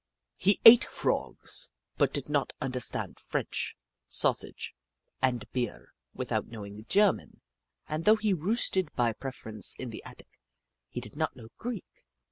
He ate Frogs but did not understand French, sausage and beer, without knowing German, and though he roosted by preference in the attic, he did not know Greek.